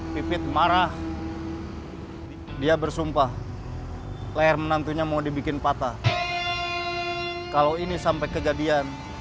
pipit marah dia bersumpah layar menantunya mau dibikin patah kalau ini sampai kejadian